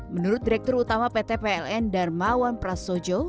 menurut direktur utama pt pln darmawan prasojo